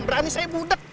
berani saya budek